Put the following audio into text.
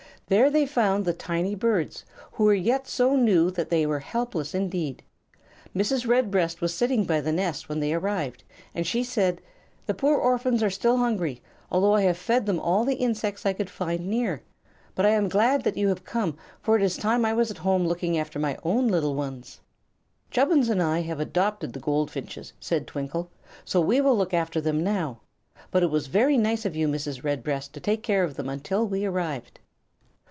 There they found the tiny birds, who were yet so new that they were helpless indeed. Mrs. Redbreast was sitting by the nest when they arrived, and she said: "The poor orphans are still hungry, although I have fed them all the insects I could find near. But I am glad that you have come, for it is time I was at home looking after my own little ones." "Chubbins and I have 'dopted the goldfinches," said Twinkle, "so we will look after them now. But it was very nice of you, Mrs. Redbreast, to take take care of them until we arrived."